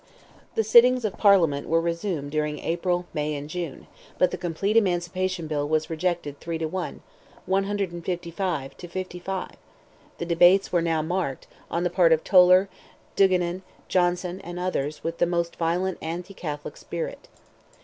The sittings of Parliament were resumed during April, May, and June, but the complete emancipation bill was rejected three to one—155 to 55; the debates were now marked, on the part of Toler, Duigenan, Johnson, and others, with the most violent anti Catholic spirit.